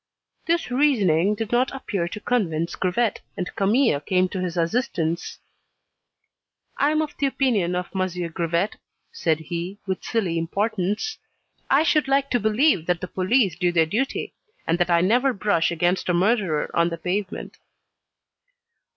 This reasoning did not appear to convince Grivet, and Camille came to his assistance. "I am of the opinion of M. Grivet," said he, with silly importance. "I should like to believe that the police do their duty, and that I never brush against a murderer on the pavement."